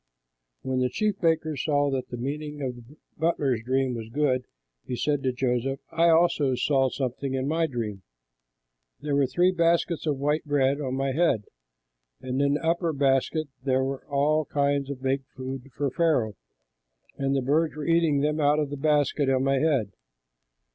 When the chief baker saw that the meaning of the butler's dream was good, he said to Joseph, "I also saw something in my dream: there were three baskets of white bread on my head, and in the upper basket there were all kinds of baked food for Pharaoh, and the birds were eating them out of the basket on my head."